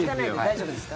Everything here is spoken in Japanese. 大丈夫ですか？